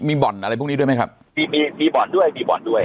มีบ่อนอะไรพวกนี้ด้วยไหมครับมีมีบ่อนด้วยมีบ่อนด้วย